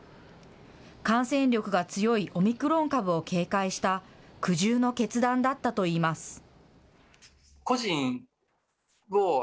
感染力が強いオミクロン株を警戒した苦渋の決断だったといいます。